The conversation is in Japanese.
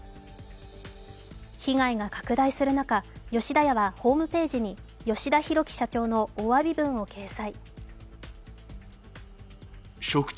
被害が拡大する中吉田屋はホームページに吉田広城社長のお詫び文を掲載。